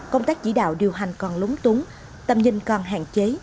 công tác chỉ đạo điều hành còn lúng túng tầm nhìn còn hạn chế